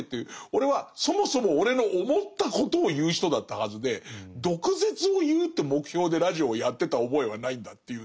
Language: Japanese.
俺はそもそも俺の思ったことを言う人だったはずで毒舌を言うって目標でラジオをやってた覚えはないんだっていうんだけど